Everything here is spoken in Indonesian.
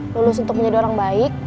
lulus untuk menjadi orang baik